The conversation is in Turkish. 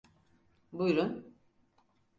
Buyrun.